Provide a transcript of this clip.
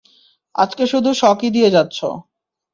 আজকে শুধু শকই দিয়ে যাচ্ছো।